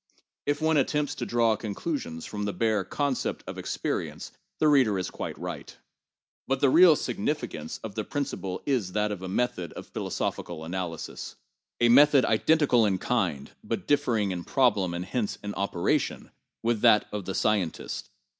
If one attempts to draw conclusions from the bare concept of experience, the reader is quite right. But the real significance of the principle is that of a method of philosophical analysisŌĆö a method identical in kind (but differing in problem and hence in operation) with that of the scientist.